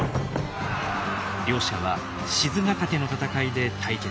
両者は賤ヶ岳の戦いで対決。